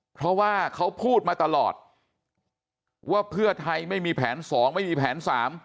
เพราะว่าเขาพูดมาตลอดว่าเพื่อไทยไม่มีแผน๒ไม่มีแผน๓